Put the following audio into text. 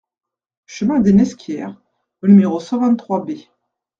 Chemin des Nesquières au numéro cent vingt-trois B